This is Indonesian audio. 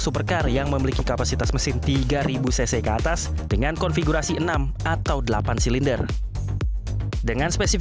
supercar yang memiliki kapasitas mesin tiga cc ke atas dengan konfigurasi enam atau delapan silinder dengan spesifik